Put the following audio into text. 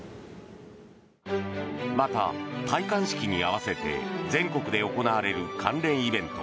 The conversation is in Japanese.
また、戴冠式に合わせて全国で行われる関連イベント